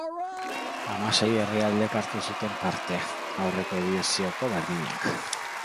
Hamasei herrialdek hartu zuten parte, aurreko edizioko berdinak.